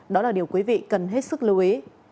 đó là điều quý vị cần hết sức lưu ý